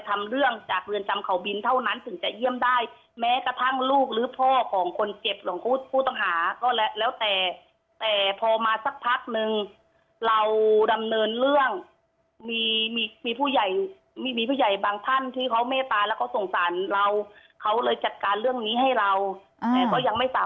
ก็เลยไม่รู้การเปลี่ยนแปลงยังไงอยู่ก็ได้เข้าเยี่ยมค่ะ